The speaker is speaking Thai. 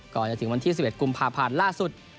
ก่อนจะถึงวันที่๑๑กุมภาพันธ์ล่าสุด